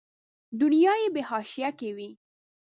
دنیا یې په حاشیه کې وي.